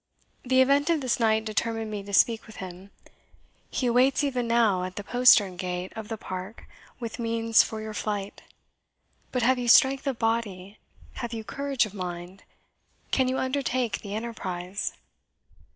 The event of this night determined me to speak with him. He awaits even now at the postern gate of the park with means for your flight. But have you strength of body? have you courage of mind? can you undertake the enterprise?"